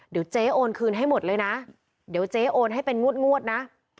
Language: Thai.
เดี๋ยวเจ๊โอนคืนให้หมดเลยนะเดี๋ยวเจ๊โอนให้เป็นงวดนะ